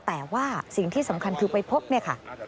แต่ว่าสิ่งที่สำคัญคือไปพบเนี่ยค่ะ